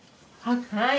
はい。